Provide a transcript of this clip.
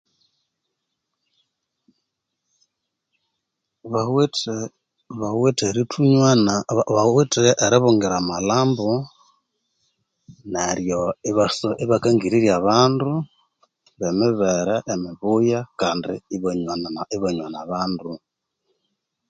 Bawithe bawithe erithunywana bawithe eribungira amalhambo neryo iba so iba kangirirya abandu be mibere emibuya kandi abanywana na ibanywana abandu